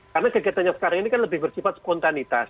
karena kegiatannya sekarang ini kan lebih berkifat spontanitas